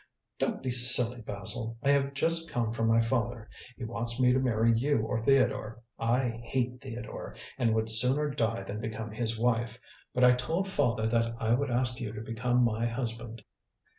"Don't be silly, Basil. I have just come from my father. He wants me to marry you or Theodore. I hate Theodore, and would sooner die than become his wife, but I told father that I would ask you to become my husband."